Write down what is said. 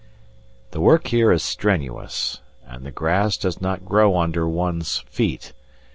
The work here is strenuous, and the grass does not grow under one's feet.